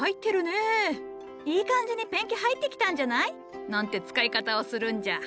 「いい感じにペンキ入ってきたんじゃない？」なんて使い方をするんじゃ。